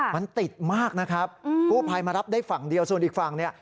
มันติดมากนะครับกู้ภัยมารับได้ฝั่งเดียวส่วนอีกฝั่งเนี่ย